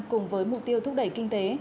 cùng với mục tiêu thúc đẩy kinh tế